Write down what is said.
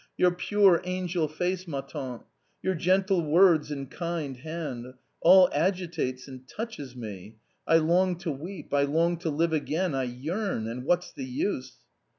Your pure angel face, ma tante, your gentle words and kind hand .... all agitates and touches me. I long to weep, I long to live again, I yearn ;— and what's the use